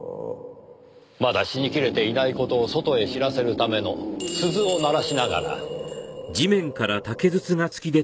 まだ死に切れていない事を外へ知らせるための鈴を鳴らしながら。